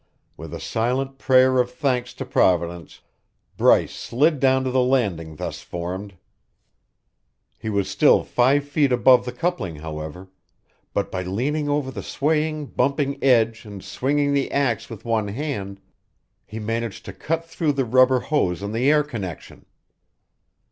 With a silent prayer of thanks to Providence, Bryce slid down to the landing thus formed. He was still five feet above the coupling, however; but by leaning over the swaying, bumping edge and swinging the axe with one hand, he managed to cut through the rubber hose on the air connection.